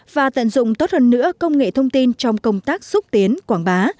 và tận dụng tốt hơn nữa công nghệ thông tin trong công tác xúc tiến quảng bá